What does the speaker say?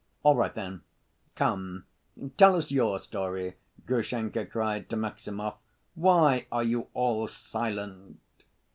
"All right then. Come, tell us your story," Grushenka cried to Maximov. "Why are you all silent?"